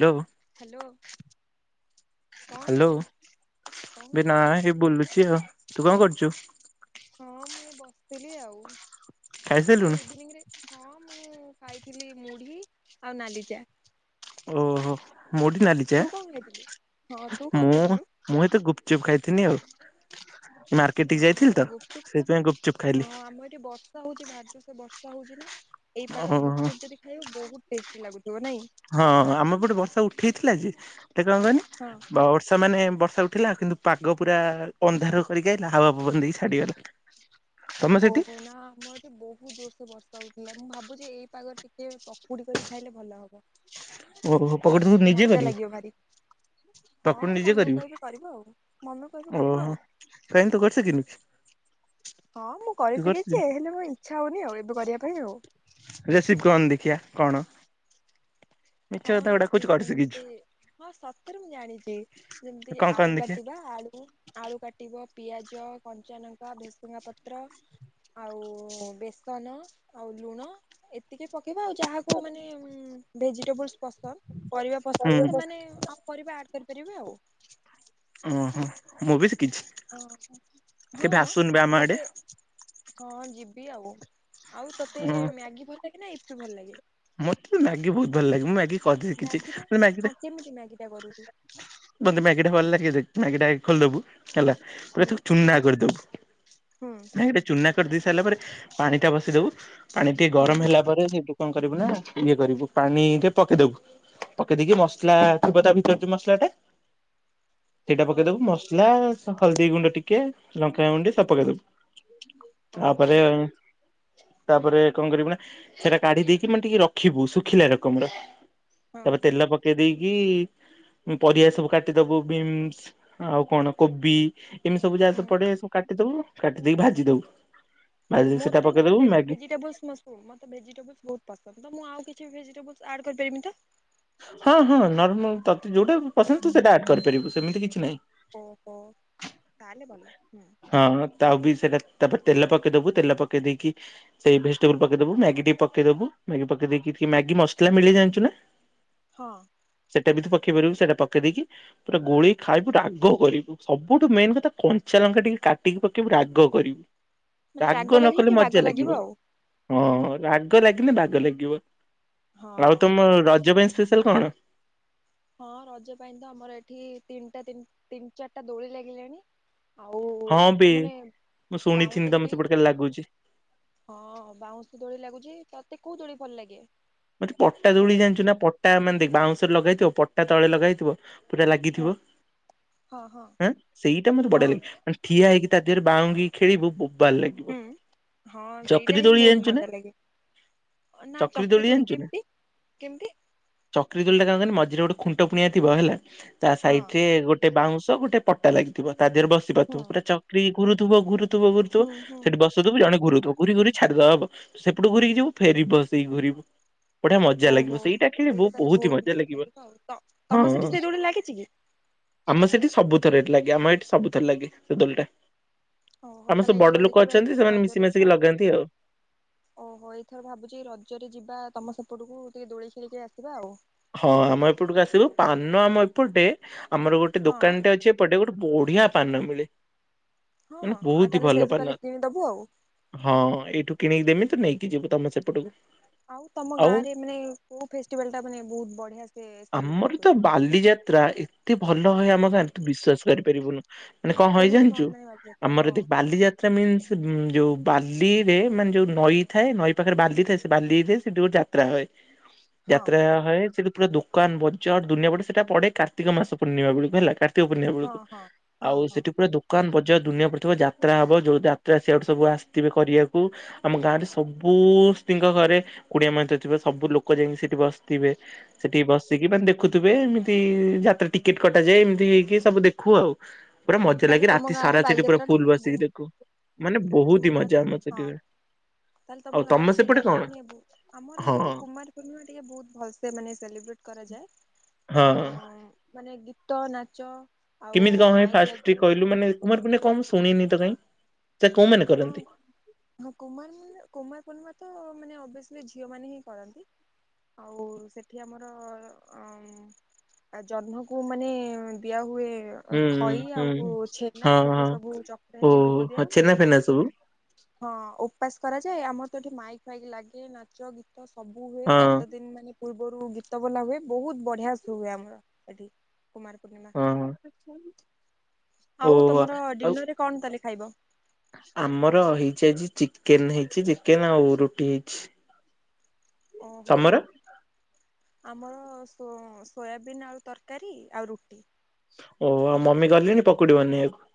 Hello hello କଣ hello କରୁଛୁ କଣ କରୁଛୁ ଭନା ଏ ବୋଲୁ ଛିଅ ତୁ କଣ କରୁଛୁ? ହଁ ମୁଁ ଏଇ ବସିଥିଲି ଆଉ ଆଉ ଖାଇସାରିଲୁଣି? ଇଭିନିଂରେ ହଁ ମୁଁ ଖାଇଥିଲି ମୁଢି ଆଉ ନାଲିଚା। ଓହୋ। ମୁଢ଼ି ନାଲି ଚା ଖାଇଥିଲୁ? ହଁ ତୁ କଣ ମୁଁ ଖାଇଥିଲୁ ମୁଁ ଏତ ଗୁପଚୁପ୍ ଖାଇ ଥିନି ଆଉ। ମାର୍କେଟ ଟିକେ ଓହୋ ଯାଇଥିଲି ତ ଗୁପଚୁପ ସେଇଥିପାଇଁ ଗୁପଚୁପ୍ ହଁ ଖାଇଲି ଆମର ଏଠି ବର୍ଷା ହଉଛି ଭାରି ଜୋରସେ ବର୍ଷା ହୋଉଛି ନା? ଏଇ ଓହୋ ପାଖରେ ଗୁପଚୁପ୍ ଯଦି ଖାଇବ ବହୁତ ଟେଷ୍ଟି ଲାଗୁଥିବ ନାଇଁ। ଥିଲା ଯେ ଏ କଣ କହନି ହଁ ବାବା ବର୍ଷା ମାନେ ବର୍ଷା ଥିଲା କିନ୍ତୁ ପାଗ ପୁରା ଅନ୍ଧାର କରିକି ଆଇଲା ହାୱା ବନ୍ଦ ହେଇକି ଛାଡିଗଲା। ତମେ ସେଠି ଓହୋ ନା ଆମର ଏଠି ବହୁତ ଜୋରସେ ବର୍ଷା ହଉ ହେଲା ମୁଁ ଭାବୁଛି ଏଇ ପାଗରେ ଟିକେ ପକୁଡି କରିକି ଖାଇଲେ ଭଲ ହବ। ଓହୋ ପକୁଡ଼ି ମୁଁ ନିଜେ ମଜା ଲାଗିବ କରିବି? ଭାରି ହଁ ପକୁଡି ନିଜେ ମମିକୁ କରିବୁ କହିବି କରିବ ଆଉ ମମିକୁ କହିବି କରିବ ଆଉ ଓହୋ କାଇଁ ତୁ କରି ଶିକିିନୁ କି? ହଁ ମୁଁ ତୁ କରି ଶିକିଛି ଶିଖିନୁ ହେଲେ ମୋ ଇଛା ହଉନି ଆଉ ଏବେ କରିବା ପାଇଁ ଆଉ। ରେସିପି କଣ ଦେଖିଆ କଣ ମିଛ ହଁ କଥା ଗୁଡା କହୁଛୁ ରେସିପି କରି ଶିଖିଛୁ ସେମତି ହଁ ସତରେ ମୁଁ ଜାଣିଛି ଯେମିତି କଣ କହନି ଆଳୁ ଦେଖିଆ କାଟିବା ଆଳୁ ଆଳୁ କାଟିବ ପିଆଜ, କଞ୍ଚା ଲଙ୍କା, ଭେସୁଙ୍ଗା ପତ୍ର, ଆଉ ବେସନ ଆଉ ଲୁଣ ଏତିକି ପ କେଇବା ଆଉ ଯାହାକୁ ମାନେ ଉଁ ଭେଜି ଟେବୁଲ୍ ପସନ୍ଦ ପରିବା ପସନ୍ଦ ହୁଁ ସେମାନେ ଆଉ ପରିବା ଆଡ କରିପାରିବେ ଆଉ। ଓହୋ ମୁଁ ବି ଶିକ୍ କିଛି କେବେ ହଁ। ଆସୁନୁ ବେ ଆମ ଆଡେ। ତତେ ହଁ ଯିବି ଆଉ। ଆଉ ତୋତେ ଉଁ ମ୍ୟାଗି ଭଲ ଲାଗେ ନା ଇପ୍ ଭଲ ଲାଗେ? ମତେ ତ ମ୍ୟାଗି ବହୁତ ଭଲ ଲାଗେ ମୁଁ ମ୍ୟାଗି ଅଧିକ କିଛି ମ୍ୟାଗି [unintelligible] ମ୍ୟାଗି ଟା ହଁ କେମିତି ମ୍ୟାଗି ଟା କରୁ ତୁ ମୋତେ ମ୍ୟାଗିଟା ଭଲ ଲାଗେ ମ୍ୟାଗି ଟା ଆଗେ ଖୋଲିଦବୁ ହେଲା ତାପରେ ହୁଁ। ତାକୁ ଚୁନା କରିଦବୁ ହୁଁ ନାଇଁ ହେଇଟା ଚୁନା କରିଦେଇ ସାରିଲା ପରେ ପାଣି ଟା ବସେଇଦବୁ। ପାଣି ଟିକେ ଗରମ ହୁଁ ହେଲା ପରେ ସେଇଠୁ କଣ କରିବୁ ନା ଇଏ କରିବୁ ପାଣି ରେ ପକେଇଦବୁ ପକେଇ ଦେଇକି ମସଲା ଥିବ ତା ଭିତରେ ଯୋଉ ମସଲା ଟା ସେଇଟା ପକେଇଦବୁ ମସଲା ହଳଦୀ ଗୁଣ୍ଡ ଟିକେ ଲଙ୍କା ଗୁଣ୍ଡି ସବ ପକେଇଦବୁ। ତାପରେ ଓହୋ ତାପରେ କଣ କରିବୁ ନା ସେଇଟା କାଢି ଦେଇକି କି ମାନେ ଟିକେ ରଖିବୁ ଶୁଖିଲା ରକମର ହଁ ତାପରେ ତେଲ ପକେଇ ଦେଇ କି ପରିବା ସବୁ କାଟିଦବୁ ବିମ୍ସ, ଆଉ କଣ କୋବି କେମି ସବୁ ଯାହା ହୁଁ ପଡେ ସବୁ କାଟିଦବୁ। କାଟି ଦେଇକି ଭାଜି ଦବୁ। ଭାଜି ହଁ ଦେଇକି ସେଟା ମତେ ମାନେ ପକେଇଦବୁ ଭେ ମ୍ୟାଗି ଭେଜିଟେବୁଲ ମତେ ଭେଜିଟେବୁଲ୍ ବହୁତ ପସନ୍ଦ। ତ ମୁଁ ଆଉ କିଛି ଭେଜିଟେବଲ ଆଡ କରିପାରିବି ତ। ହଁ ହଁ ନର୍ମାଲ ତତେ ଯୋଉଟା ପସନ୍ଦ ତୁ ସେଟା ଆଡ କରିପାରିବୁ ସେମିତି କିଛି ନାହିଁ। ଓହୋ ତାହେଲେ ଭଲା ହୁଁ। ହଁ ତା ବି ସେଇଟା ତାପରେ ତେଲ ପକେଇଦବୁ ତେଲ ପକେଇ ଦେଇକି ସେଇ ଭେଜିଟେବୁଲ ପକେଇବୁ ମ୍ୟାଗି ଟିକେ ପକେଇଦବୁ ମ୍ୟାଗି ପକେଇ ଦେଇକି ଟିକେ ମ୍ୟାଗି ମସଲା ମିଳେ ଜାଣିଛୁ ନା। ହଁ। ସେଇଟା ବି ତ ପକେଇ ପାରିବୁ ସେଇଟା ପକେଇ ଦେଇେକି ପୁରା ଗୋଳଇକି ଖାଇବୁ ରାଗ କରିବୁ ସବୁଠୁ ମେନ କଥା କଞ୍ଚା ଲଙ୍କା ଟିକେ କାଟିକି ପକେଇବୁ ରାଗ କରିବୁ। ମାନେ ରାଗ ନ ଲାଗିଲେ କଲେ କି ମଜା ବାଗ ଲାଗିବ। ଆଉ ହଁ ରାଗ ଲାଗିଲେ ବାଗ ଲାଗିବ। ଆଉ ହଁ। ତମ ରଜ ପାଇଁ ସ୍ପେସିଆଲ କଣ? ହଁ ରଜ ପାଇଁ ତ ଆମର ଏଠି ତିନିଟା ତିନି ଚାରିଟା ଦୋଳି ଲାଗିଲାଣି। ଆଉ ହଁ ବେ ମାନେ ମୁଁ ଶୁଣିଥିଲି ବାଉଁଶ ତମ ଦୋଳି ସେପଟେ କାଳେ ଲାଗୁଛି। ହଁ ବାଉଁଶ ଦୋଳି ଲାଗୁଛି ତତେ କୋଉ ଦୋଳି ଭଲ ଲାଗେ। ମତେ ପଟା ଦୋଳି ଖେଳିବା ପାଇଁ? ଜାଣିଛୁ ନା ପଟା ମାନେ ଦେଖ ବାଉଁଶରେ ଲଗା ହେଇଥିବ ପଟା ତଳେ ଲଗାହେଇଥିବ। ପୁରା ହଁ ଲାଗିଥିବ ହଁ ହଁ ଉ ସେଇଟା ମତେ ହଁ ବଢିଆ ଲାଗେ ମାନେ ଠିଆ ହେଇକି ତେ ବାଉଙ୍ଗୀ ଖେଳିବୁବୁ ହୁଁ ହଁ ସେଇଟା ହିଁ ଦୋଳି ବହୁତ ଜାଣିଛୁ ନା ମଜା ଲାଗେ ନା ଚକ୍ରି ଦୋଳି କେମିତି? କେମିତି ଚକ୍ରି ଦୋଳିଟା କଣ ମ ଯୋଉଥିଏ ଗୋଟେ ଖୁଣ୍ଟ ପୁଣିଆ ଥିବ ହେଲା। ତା ହଁ ସାଇଡ ରେ ଗୋଟେ ବାଉଁଶ ତ ଗୋଟେ ପଟା ଲାଗିଥିବ। ତା ଦେହରେ ବସି ହୁଁ ପାରୁଥିବ ପୁରା ଚକ୍ରି ଘୁରୁଥିବ ଘୁରୁ ଘୁରୁ ଥିବ ଘୁରୁ ଥିବ ହୁଁ ସେଠି ବସୁଥିବୁ ଜଣେ ଘୁରୁ ଥି ତ ଘୁୁରି ଘୁରି ଛାଡିଦବ ସେପଟୁ ଘୁରିକି ଯିବୁ ଫେରି ସେଇି ଘୁୁରିବୁ ବଢିଆ ମଜା ଲାଗିବ ଓହୋ ସେଇଟା ଆକଚୁଆଲି ତାହେଲେ ବହୁତି ହି ବହୁତ ମଜା ଲାଗିବ ଆଉ ତ ହଁ ତମ ସେଠି ସେଇ ଦୋଳି ଲାଗିଛି କି? ଆମ ସେଠି ସବୁ [unintelligible] ଏ ଲାଗି ଆମ ଏଠି ସବୁଥର ଲାଗିଛି ସେ ଦୋଳିଟା। ଓହୋ ଆମ ସବୁ ତାହେଲେ ବଡ ଏଇଥର ଲୋକ ଦେଖିବା ଅଛନ୍ତି ଏଇଥର ସେମାନେ ମିଶି ରଜରେ ମାଶିକି ଯିବା ଲଗାନ୍ତି ଆଉ ଓହୋ ଏଇଥର ଭାବୁଛି ରଜରେ ଯିବା ତୁମ ସେପଟକୁ ଟିକେ ଦୋଳି ଖେଳିକି ଆସିବା ଆଉ। ହଁ ଆମ ଏପଟକୁ ଆସିବୁ ପାନ ଆମ ଏପଟେ ଆମର ଗୋଟେ ହଁ ଦୋକାନଟେ ଅଛି ଏପଟେ ଗୋଟେ ବଢିଆ ପା ପାନ ମିଳେ। ମାନେ ହଁ ଆଉ ବୋହୁତି ତାହେଲେ ଭଲ ସେଇଠୁ ତାହେଲେ ପାନ କିଣିଦବୁ ଆଉ। ହଁ ଏଇଠୁ କିଣିକି ଦେମି ତୁ ନେଇ କି ଯିବି ତମ ସେପଟୁକୁ। ଆଉ ତମ ଗାଁରେ ମାନେ କୋଉ ଫେଷ୍ଟିଭାଲଟା ମାନେ ବହୁତ ବଢିଆ ସେ ସେଲିବ୍ରେଟ ଆମର ତ ହୁଏ? ବାଲିଯାତ୍ରା ଏତେ ଭଲ୍ ତ ହଏ ଆମ ସାର ତୁ ବିଶ୍ୱାସ କରିପାରିବୁନୁ। ମାନେ କଣ ହଏ କେମିତି କଣ ଜାଣିଚୁ ମାନେ ବାଲିଯାତ୍ରା ହଁ ଆମର ଦେଖ ବାଲିଯାତ୍ରା ମିନ୍ସ ଉଁ ଯୋଉ ବାଲିରେ ମାନେ ଯୋଉ ନଈ ଥାଏ ନଈ ପାଖରେ ବାଲି ଥାଏ ସେ ବାଲିରେ ସେଠି ଗୋଟେ ଯାତ୍ରା ହଏ। ହଁ ଯାତ୍ରା ହଏ। ସେଇଠି ପୁରା ଦୋକାନ ବଜାର ଦୁନିଆ ପଡ଼େ‌। ସେଟା ପଡ଼େ କାର୍ତ୍ତିକ ମାସ ପୂର୍ଣିମା ବେଳକୁ ହେଲା‌‌। କାର୍ ତିକ ପୂର୍ଣ୍ଣିମା ହଁ ବେଳୁକୁ ହଁ ହଁ ଆଉ ହଁ। ସେଠି ପୁରା ଦୋକାନ ବ ଜ ଦୁନିଆ ପଡ଼ିଥିବ ଯାତ୍ରା ହବ ଯୋଉ ଯାତ୍ରା ସିଆଡ଼ୁ ସବୁ ଆସିଥିବେ କରିବାକୁ ଆମ ଗାଁରେ ସବୁ ସ୍ତ୍ରୀଙ୍କ ଘରେ କୁଣିଆମାନେ ଥ ଥିବେ ସବୁ ଲୋକ ଯାଇଁକି ସେଠି ବସିଥିବେ। ସେଠି ବସିକି ମାନେ ଦେଖୁଥୁବେ ଏମିତି ଯାତ୍ରା ଟିକେଟ୍ କଟାଯାଏ ଏମିତି ହେଇକି ସବୁ ଦେଖୁ ଆଉ। ପୁରା ମଜା ତାହେଲେ ଲାଗେ ତମ ରାତି ଗାଁରେ ସାରା ସେଠି ପୁରା ବାଲିଯାତ୍ରାଟା ଫୁଲ ମାନେ ବସିକି ଦେଖୁ। ମାନେ ବୋହୁତ ବହୁତ ତମ ହି ଗାଁରେ ମଜା ତାଲେ ଆମର ହଁ, ସେଠି ହୁଏ ତାହେଲେ ଆଉ ତମ ଗାଁରେ ସେଇଟା ସେପଟେ ହେଲା କଣ ମାନେ ବୋ ଆମର ହଁ ଏଠି ତ କୁମାର ପୂର୍ଣ୍ଣିମା ଟିକେ ବୋହୁତ ଭଲସେ ତେ ମାନେ ସେଲିବ୍ରେଟ୍ କରାଯାଏ। ଅ ହଁ। ମାନେ ଗୀତ, ନାଚ ଆଉ କେମିତି କଣ ହଏ ମାଇକ୍ ଫାଷ୍ଟ ଟି ଲାଗିବ କହିଲୁ ମାନେ କୁମାର ପୂର୍ଣ୍ଣି କଣ ମୁଁ ଶୁଣିନି ତ କାଇଁ? ସେଟା କୋଉମାନେ ହଁ କରନ୍ତି? ହଁ କୁମାର ମାନେ କୁମାର ପୂର୍ଣ୍ଣିମା ତ ମାନେ ଅବେ ସ୍ଲି ଝିଅମାନେ ହିଁ କରନ୍ତି ଆଉ ସେଠି ଆମର ଅ ଜହ୍ନକୁ ମାନେ ଦିଆହୁଏ ଏ ଅ ହୁଁ ଖଇ ହୁଁ ଆଉ ଛେନା ହଁ ସେଥିରେ ହଁ। ସବୁ ଚକଟା ଓହୋ ହେଇକି ଭୋଗ ଦିଆ ହଁ ହୁଏ। ଛେନା ଫେନା ସବୁ ହଁ ଉପାସ କରା ଆଯାଏ ଆମର ତ ଏଠି ମାଇକ୍ ଫାଇକ୍ ଲାଗେ ନାଚ ଗୀ ତ ସବୁ ହୁଏ ହଁ ସାତ ଦିନ୍ ମାନେ ପୂର୍ବରୁ ଗୀତ ବୋଲା ହୁଏ ବୋହୁତ ବଢ଼ିଆ ସୋ ହୁଏ ଆମର ଏଠି, ର। ହଁ ହଁ। ଆଉ ଓହୋ ତମର ଆଉ ଡିନରରେ କଣ ତାହେଲେ ଖାଇବ? ଆମର ହେଇଚି ଆଜି ଚି କେନ ହେଇଚି ଚିକେନ ଆଉ ରୁଟି ହେଇଚି। ଓହୋ। ଆମର ସୋ ସୋୟାବିନ୍ ଆଳୁ ତରକାରୀ ଆଉ ରୁଟି। ଓ ଆଉ ମମି ଗଲେଣି ପକୁଡ଼ି ବନେଇଆକୁ?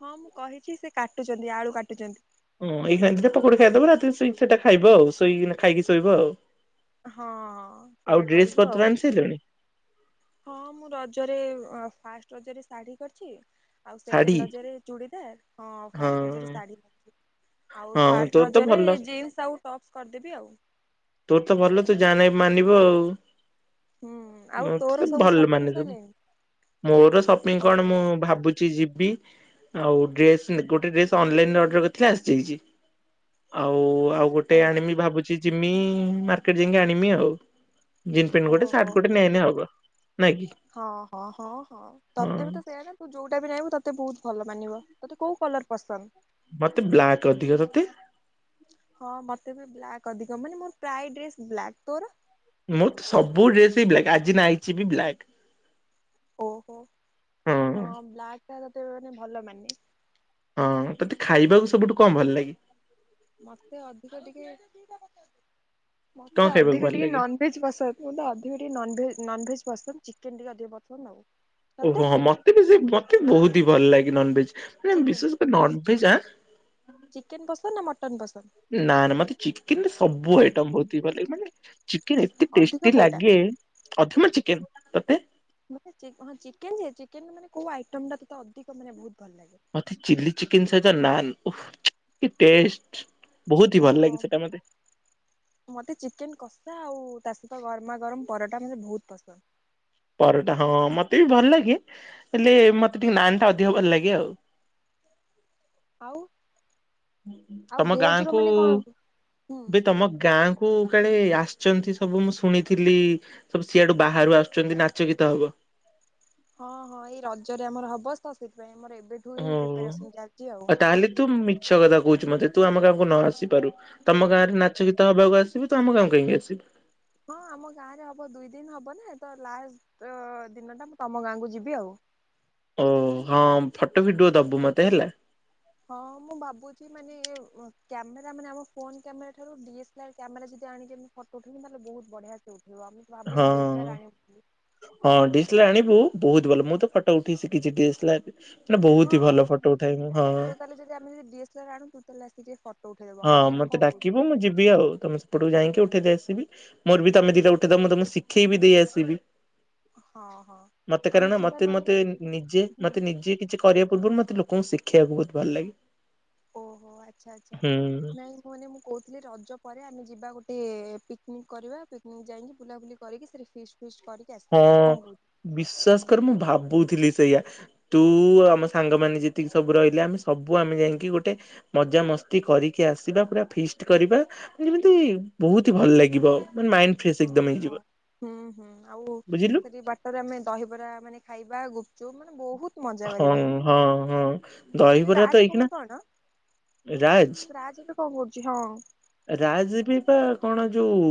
ହଁ ମୁଁ କହିଛି ସେ କାଟୁଛନ୍ତି ଆଳୁ କାଟୁଛନ୍ତି। ହଁ ଏଇ ଖିନା ପକୋଡ ଖାଇଦବ ରାତିରେ ଶୋଇ ସେଇଟା ଖାଇବ। ଆଉ ଶୋଇ କିନା ଖାଇକି ଶୋଇବ ଆଉ। ହଁ ଆଉ ସେଇଆ ଡ୍ରେସ କରିବୁ ପତ୍ର ଆଉ ଆଣି ସାରିଲଣି [inaudible] ହଁ ମୁଁ ରଜରେ ଫାଷ୍ଟ ରାଜରେ ଶାଢୀ କରିଚି। ଆଉ ଶାଢୀ ସେକେଣ୍ଡ ରଜରେ ଚୁଡି ଦାର। ହଁ ଆଉ ଫାଷ୍ଟ ରଜରେ ଶାଢୀ। ଆଉ ହଁ ଥାର୍ ତୋର ତ ରଜରେ ଭଲ। ଜିନ୍ସ ଆଉ ଟପସ କରିଦେବି ଆଉ। [inaudible] ତୋର ତ ଭଲ ଯାହା ହେନେ ମାନିବ ଆଉ ହୁଁ [inaudible] ଆଉ ମୁଁ ତୋର ତ ସବୁ ଭଲ ସପିଙ୍ଗ ମାନେ ମୁଁ ସଇଲାଣି? ମୋର ସପିଂ କଣ ଓହୋ ମୁଁ ଭାବୁଛି ଯିବି। ଆଉ ଡ୍ରେସ ଗୋଟେ ଡ୍ରେସ ଅନଲାଇନରେ ଅର୍ଡର କରିଥିଲା ଆ ଦେଇଚି ଆଉ ଆଉ ଗୋଟେ ଓ ଆଣିବି ଭାବୁ କି ଯିମି ମାର୍କେଟ ଯାଇକି ଆଣିବି ଆଉ। ଜିନ୍ ପ୍ୟାଣ୍ଟ ଗୋଟେ ଓହୋ ସାର୍ଟ ଗୋଟେ ନେଇଆଇଲେ ହବ ନାଇଁ କି [inaudible] ହଁ ହଁ ହଁ ହଁ ତତେ ବି ତ ସେଇଆା ନା ତୁ ଯୋଉଟା ବି ନହିଁବୁ ତତେ ତତେ ବହୁତ ଭଲ ମାନିବ ତୋତେ କୋଉ କଲର ପସନ୍ଦ। ମତେ ବ୍ଲାକ୍ ଅଧିକ ତତେ? ହଁ ମତେ ବି ବ୍ଲାକ୍ ଅଧିକ ମାନେ ମୋର ପ୍ରାୟଡ ତୋର? ମୋର ତ ସବୁ ଡ୍ରେସ ହ ବ୍ଲାକ୍ ଆଜି ନାଇଛି ବି ବ୍ଲାକ୍। ଓହୋ [inaudible] ହଁ ବ୍ଲା ତା ତେ ମାନେ ଭଲ ମାନେ। ହଁ ତତେ ଖାଇବାକୁ ସବୁଠୁ କଣ ଭଲ ଲାଗେ। ମତେ ଅଧିକ ଟିକେ [unintelligible] କଣ ମତେ ଖାଇବାକୁ ଅଧିକ ଭଲ ଟିକେ ଲାଗେ? ନନଭେଜ ବସନ୍ଦ ଅଧିକ ଟିକେ ନନଭେଜ ନନଭେଜ ଚିକେନ ଟିକେ ଅଧିକ ପସନ୍ଦ ଆଉ। ତତେ? ଓହୋହୋ ମତେ ବି ସେ ମତେ ବି ବହୁତ ହି ଭଲ ଲା କି ନନ୍ଭେଜ୍ ମ ଚିକେନ ବିଶେଷ କରି ନନଭେଜ ଆଁ [inaudible] ଚିକେନ ନା ମଟନ୍ ପସନ୍ଦ? ନା ନା ମତେ ଚିକେନରେ ସବୁ ଆଇଟମ ବହୁତ ହେଇ ଲାଗେ ମାନେ ଚିକେନ ଏତେ ଅଧିକ ଟେଷ୍ଟି କୋଉଟା ଲାଗେ ଅଧୀକ ଚିକେନ ତତେ? ମାନେଁ ଚିକେନ ଚେନ ମାନେ କୋଉ ଆଇଟମ ଟା ତତେ ଅଧିକ ମାନେ ବହୁତ ଭଲ ଲାଗେ? ମତେ ଚିଲ୍ଲି ଚିକେନ ସହିତ ନାନ୍ ଓହୋ କି ଟେଷ୍ଟ। ବହୁତ ହି ଭଲ ଓହୋ ଲାଗେ ସେଟା ମତେ ମତେ ଚିକେନ କ ସା ଆଉ ତା ସହିତ ଗରମା ଗରମ ପରଟା ମତେ ବୋହୁତ ପସନ୍ଦ। ପରଟା ହଁ ମତେ ବି ଭଲ ଲାଗେ ହେଲେ ମତେ ଟିକେ ନାନ୍ ଟା ଅଧିକ ଭଲ ଲାଗେ ଆଉ। ଓ ତମ ଗାଁକୁ ହୁଁ ବେ ତମ ଗାଁକୁ କାଳେ ଆସଚନ୍ତି ସବୁ ମୁଁ ଶୁଣିଥିଲି ସବୁ ସିଆଡ଼ୁ ବାହାରୁ ଆସୁଚନ୍ତି ନାଚ ଗୀତ ହବ। ହଁ ହଁ ଏଇ ରଜରେ ଆମର ହବ ତ ସେଇଥିପାଇଁ ହୋ ଆ ତାହେଲେ ତୁ ମିଛ କଥା କୋହୁଚୁ ମତେ। ତୁ ଆମ ଗାଁକୁ ନ ଆସିପାରୁ। ତମ ଗାଁରେ ନାଚ ଗୀତ ହବାକୁ ଆସିବୁ ତୁ ଆମ ଗାଁକୁ କାହିଁକି ଆସିବୁ? ହଁ ଆମ ଗାଁରେ ହବ ଦୁଇ ଦିନ୍ ହବ ନାଁ ତ ଲାଷ୍ଟ ଅ ଦିନଟା ମୁଁ ତମ ଗାଁକୁ ଯିବି ଆଉ। ଓ ହଁ ଫଟ ଭିଡୁଅ ଦବୁ ମତେ ହେଲା। ହଁ ମୁଁ ଭାବୁଚି ମାନେ ଏ କ୍ୟାମେରା ମାନେ ଆମ ଫୋନ କ୍ୟାମେରା ଠାରୁ D M L R camera ଯଦି ଆଣିକି ଏମି ଫଟୋ ଉଠେଇମି ତାଲେ ବୋହୁତ ବଢ଼ିଆସେ ଉ ହଁ ହଁ ଡି ଏସ୍ ଏଲ୍ ଆର୍ ଆଣିବୁ ବୋହୁତ ଭଲ ମୁଁ ତ ଫଟ ଉଠେଇ ଶିଖିଚି ଡି ଏସ୍ ଏଲ୍ ଆର୍ ରେ। ହଁ ତୁ ତାହେଲେ ଯଦି ଆମେ ଯଦି ଡି ଏସ୍ ଏଲ୍ ଆର୍ ଆଣୁୁ ତୁ ତାହେଲେ ଆସି ଟିକେ ଫ ହଁ ମତେ ଡାକିବୁ ମୁଁ ଯିବି ଆଉ ତମ ସେପଟୁ ଯାଇଁକି ଉଠେଇ ଦେଇ ଆସିବି। ମୋର ବି ତମେ ଦିଟା ଉଠେଇଦ ମୁଁ ତମୁ ଶିଖେଇ ବି ଦେଇ ଆସିବି। ହଁ ହଁ ମତେ ଆମେ କାରଣ ଯିବା ମତେ ନହେଲେ ମତେ ନିଜେ ହୁଁ ମତେ ନିଜେ କିଛି କରିବା ପୂର୍ବରୁ ମତେ ଲୋ ଙ୍କୋଉ ଶିଖେଇଆକୁ ବୋହୁତ ଭଲ ଲାଗେ। ଓହୋ ଆ ଆଚ୍ଛା ଆଚ୍ଛା ହୁଁ। ନାଇଁ ମୁଁ ମାନେ ମୁଁ କୋହୁଥିଲି ରଜ ପରେ ଆମେ ଯିବା ଗୋ ଏ ପିକନିକ୍ କରିବା ପିକନିକ୍ ଯାଇଁକି ବୁଲାବୁଲି କରିକି ସେଠି ଫିସ୍ ହଁ ବିଶ୍ୱାସ କର ମୁଁ ଭାବୁଥିଲି ତେଇଆ ତୁ ଆମ ସାଙ୍ଗମାନେ ଯେତିକି ସବୁ ରହିଲେ ଆମେ ସବୁ ଆମେ ଯାଇଁକି ଗୋଟେ ମଜା ମସ୍ତି କରିକି ଆସିବା ପୁରା ଫିଷ୍ଟ କରିବା ଯେମିତି ବୋହୁତି ଭଲ ଲାଗିବ। ମାନେ ମାାଇଣ୍ଡ ଫ୍ରେସ୍ ଏକଦମ୍ ଓହୋ ହେଇଯିବ। ହୁଁ ହୁଁ ଆଉ ବୁଝିଲୁ। ସେଠି ବାଟରେ ଆମେ ଦହିବରା ମାନେ ଖାଇବା ଗୁପଚୁପ୍ ମାନେ ବୋହୁ ହଁ ହଁ ହଁ ଆଉ ସେ ଯୋଉ ଦହିବରା ରାଜ ତ ଖବର ଏଇକ୍ଷିଣା କଣ? ରାଜ୍ ତି ହଁ। ରାଜ୍ ଏବେ ପା କଣ ଯୋଉ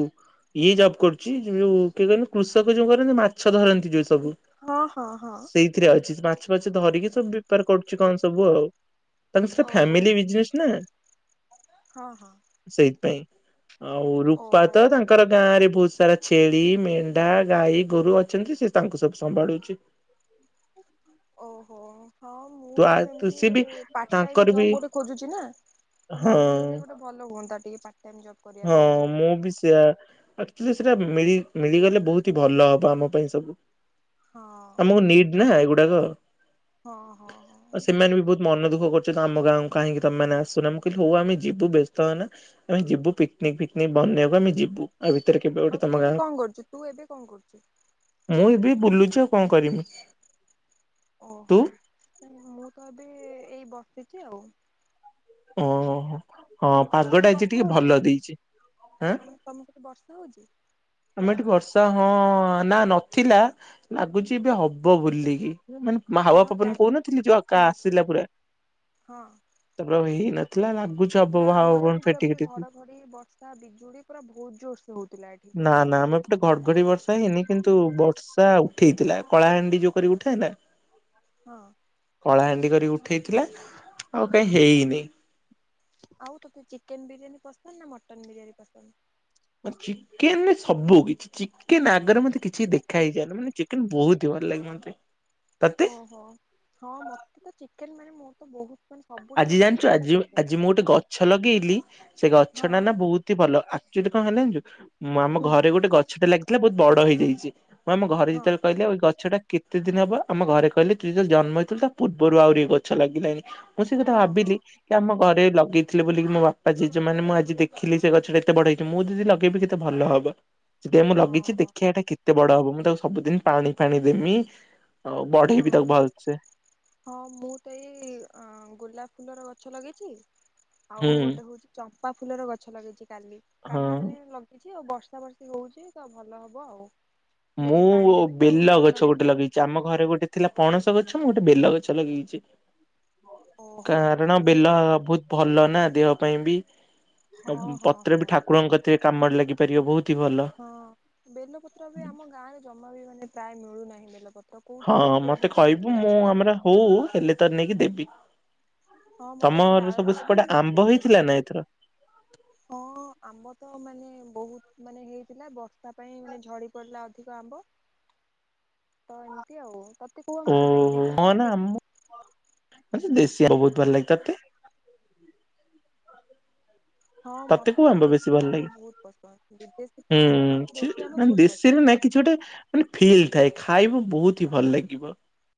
ଇଏ ଜବ୍ କରୁଚି ଯୋଉ କିଏ କହନି କୃଷକ ଯୋଉ କରନ୍ତି ମାଛ ଧର ନ୍ତି ଯୋଉ ସବୁ ହଁ ହଁ ହଁ ସେଇଥିରେ ଅଛି ରା ଛ ବାଛ ଧରିକି ସବୁ ବେପାର କରୁଚି କଣ ସବୁ ଆଉ। ତାଙ୍କ ସେଟା ଓହୋ ଫ୍ୟାମିଲି ବିଜନେସ୍ ନାଁ। ହଁ ହଁ। ସେଇଥିପାଇଁ। ଆଉ ରୂପା ଓହୋ ତ ତାଙ୍କର ଗାଁରେ ବହୁତ ସାରା ଛେଳି, ମେଣ୍ଢା, ଗାଈ ଗୋରୁ ଅଛନ୍ତି ସେ ତାଙ୍କୁ ସବୁ ସମ୍ଭାଳୁଚି। ଓହୋ। ହଁ ମୁଁ ତ ତୁ ସେମିତି ସିଏ ବି ପାର୍ଟ ଟାଇମ୍ ତାଙ୍କର ଜବ ବି ଗୋଟେ ଖୋଜୁଚି ନା ତ ହଁ ମିଳିଗଲେ ଗୋଟେ ଭଲ ହୁଅନ୍ତା। [inaudible] କରିବା ହଁ ପାଇଁ ଟିକେ ମୁଁ ବି ସେୟା ଆକ୍ଚୁଲି ସେଟା ମି ମିଳିଗଲେ ବହୁତ ହି ଭଲ ହବ ଆମ ପାଇଁ ସବୁ। ହଁ ଆମକୁ ନିଡ୍ ନା ଗୋଟେ। ନା କଣ?? ହଁ ହଁ ଆ ହଁ ସେମାନେ ବି ବହୁତ ମନ ଦୁଖ କରୁଛନ୍ତି ଆମ ଗାଁ କାହିଁକି ତମେ ମାନେ ଆସୁନ? ମୁଁ କହିଲି ହଉ ଆମେ ଯିବୁ ବ୍ୟସ୍ତ ହେନା ଆମେ ଯିବୁ। ଫି ପିକନିକ ପିକନିକ ବନେଇବାକୁ ଆମେ ଯିବୁ। ଆ ଭିତରେ କେବେ ଗୋଟେ ଆଉ ତମ ତୁ ଗାଁ ଏବେ କଣ କରୁଚୁ? ତୁ ଏବେ କଣ କରୁଚୁ? ବୁଲୁଚି ଆଉ କଣ କରିମି ମୁଁ। ଓହୋ ମୁଁ ତ ଏବେ ଏଇ ବସିଚି ଆଉ। ଓ ହୋ। ତମ ସେଠି ବର୍ଷା ହଉଚି? ଆଁ ତମ ତମର ସେଠି ବର୍ଷା ହଉଚି? ଆମ ଏଠି ବର୍ଷା ହଁ ନା ନଥିଲା ଲାଗୁଚି ଏବେ ହବ ବୋଲିକି। ମାନେ ହଁ ଚା ମାଉଆପବନ କହୁନଥିଲି ଯଉ ଆା ହୁଁ ଆସିଲା ପୁରା, ହଁ ତାପରେ ହେଇ ନଥିଲା। ନା ଆମର ଏଠି ପୁରା ପୁରୀ ଘଡଘଡି ବର୍ଷା ବିଜୁଳି ପୁରା ବହୁତ ଜୋରସ ହଉଥିଲା ଏଠି। ନା ନା ଆମେ ପଟେ ଘଡଘଡି ବର୍ଷା ହେଇନି କିନ୍ତୁ ବର୍ଷା ଉଠେଇଥିଲା କଳାହାଣ୍ଡି ଯଉ କର ଉଠାଏ ନା। ହଁ। କଳା ହାଣ୍ଡି କରିକି ଉଠେଇଥିଲା ଆଉ କାଇଁ ହେଇନି। ଆଉ ତୋତେ ଚିକେନ ବିରିୟାନୀ ପସନ୍ଦ ନା ମଟନ ବିରିୟାନୀ ପସନ୍ଦ। ମ ଚିକେନ ସବୁ କିଛି ଚିକେନ ଆଗରେ ମତେ କିଛି ଦେଖା ହେଇଯାଏନା ମାନେ ଚିକେନ ବହୁତ ହି ଭଲ ଲାଗେ ମତେ। ତତେ? ଓହୋ ହଁ ମତେ ତ ଚିକେନ ମାନେ ମୋର ତ ବହୁତ ମାନେ ସବୁଠାରୁ ଆଜି ଜାଣିଚୁ ପସନ୍ଦ ହେଲା ଆଜି ଚିକେନ। ଆଜି ମୁଁ ଗୋଟେ ଗଛ ଲଗେଇଲି, ସେ ଗଛ ହଁ ଟା ନା ବହୁତ ହି ଭଲ ଆକ୍ଚୁଲି କଣ ହେଲା ଜାଣିଚୁ? ମୁଁ ଆମ ହୁଁ ଘରେ ଗୋଟେ ଗଛଟା ଲାଗି ଥିଲା ବହୁତ ବଡ ହେଇଯାଇଚି। ହଁ ଆମ ଘରେ ହଁ ଯେତେବେଳେ କହିଲେ ଏ ଗଛଟା କେତେ ଦିନ ହବ ଆମ ଘରେ କହିଲେ ତୁ ଯେବେ ଜନ୍ମ ହେଇଥିଲୁ ତା ପୂର୍ବରୁ ଆହୁରି ଗଛ ଲାଗିଲାଣିି। ମୁଁ ସେ କଥା ହଁ ହଁ ଭାବିଲି କି ଆମ ଘରେ ଲଗେଇଥିଲେ ବୋଲିକି ମୋ ବାପା ଜେଜେ ମାନେ ମୁଁ ଆଜି ଦେଖିଲି ସେ ଗଛ ଟା ଏତେ ବଡ ହେଇଚି। ମୁଁ ଯଦି ଲଗେଇବି କେତେ ଭଲ ହବ। ସେଥିପାଇଁ ମୁଁ ହଁ ଲଗେଇଛି ହଁ ଦେଖିବା ଏଇଟା କେତେ ବଡ ହବ ମୁଁ ତାକୁ ସବୁଦିନ ପାଣି ଫାଣି ଦେମି ଆଉ ବଢେଇବି ହଁ ତାକୁ ଭଲସେ ହଁ ମୁଁ ତ ଏଇ ଆଁ ବିନା ଫୁଲର ଗଛ ଲଗେଇଛି। ଆଉ ହୁଁ ଗୋଟେ ହଉଛି ଚମ୍ପ ବା ଫୁଲର ଗଛ ଲଗେଇଛି। କାଲି କାଲି ହଁ। ମାନେ ଲଗେଇ ଇଛି ଆଉ ବର୍ଷା ବର୍ଷି ହଉଛି ତ ଭଲ ହବ ଆଉ। ଡେଲି ମୁଁ ପାଣି ଦେବି ଆଉ ବେଲ ଯତ୍ନ ଗଛ ନେବି ଗୋଟେ ଆଉ। ଲଗେଇଛି ଆମ ଘରେ ଗୋଟେ ଥିଲା ପଣସ ଗଛ ମୁଁ ଗୋଟେ ବେଲ ଗଛ ଲଗେଇଛି। ଓହୋ ଆଚ୍ଛା କାରଣ ଆଚ୍ଛା। ବେଲ ବହୁତ ଭଲ ନା ଦେହ ପାଇଁ ବି ଆଉ ହଁ ହଁ ପତ୍ର ବି ହଁ ଠାକୁରଙ୍କ କତିରେ କାମରେ ଲାଗିବ୍ [unintelligible] ବହୁତ। ହି ଭଲ। ହଁ ବେଲପତ୍ର ବି ଆମ ଆମ ଗାଁରେ ଜମା ବି ମାନେ ପ୍ରାୟ ମିଳୁନାହିଁ ବେଲପତ୍ର। କୋଉଠି ହଁ ଗୋଟେ ମତେ ଦିଇଟା କହିବୁ ଏମିତି ମୁଁ ଅଛି। ଆମର ହଉ ହେଲେ ତ ନେଇକି ଦେବି। ହଁ ମତେ ଗୋଟେ ତମର ସବୁ ଡାଳ ତ ମୁଁ ସେପଟେ ଆମ୍ବ ପୋତିଦେବି ହେଇଥିଲା ନା ଏଥର ନେଇକି। ହଁ ଆମ୍ୱ ତ ମାନେ ବହୁତ ମାନେ ହେଇଥିଲା ବର୍ଷା ପାଇଁ ମାନେ ଝଡି ପଡିଲା ଅଧିକ ଆମ୍ବ। ତ ଏମିତି ଆଉ ତ ଓୋ ହଁ ନା ଆମ [unintelligible] ଦେଶୀ ବହୁତ ଭଲ ଲାଗେ, ତତେ ହଁ ତତେ ମତେ କୋଉ ବି ଆମ୍ବ ବେଶୀ ଦେଶୀ ଭଲ ଆମ୍ବ ଲାଗେ? ବହୁତ ପସନ୍ଦ ବିଦେଶୀ ତ ହୁଁ ମତେ ସେ ଦେଶୀ ଆମ୍ବ ବହୁତ ପସନ୍ଦ। ଦେଶୀରେ ନା କିଛି ଗୋଟେ ମାନେ ଫିଲ୍ ଥାଏ ଖାଇବୁ ବହୁତ ହିଁ ଭଲ ଲାଗିବ।